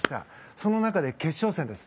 その中で決勝戦です。